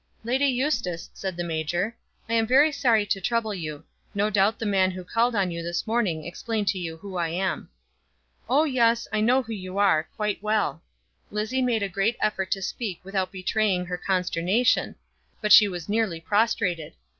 "Lady Eustace," said the major, "I am very sorry to trouble you. No doubt the man who called on you this morning explained to you who I am." "Oh yes, I know who you are, quite well." Lizzie made a great effort to speak without betraying her consternation; but she was nearly prostrated.